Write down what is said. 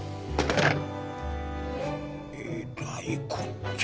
えらいこっちゃ！